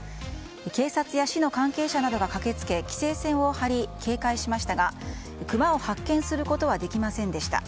警察や市の関係者などが駆けつけ規制線を張り警戒しましたがクマを発見することはできませんでした。